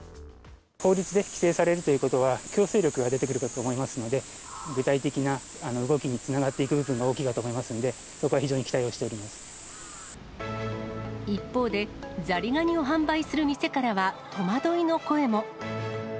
法律で規制されるということは、強制力が出てくるかと思いますので、具体的な動きにつながっていくという部分も大きいと思いますので、一方で、ザリガニを販売する店からは戸惑いの声も。